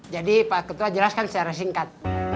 jadi pak ketua jelaskan secara singkat